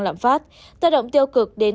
lạm phát tác động tiêu cực đến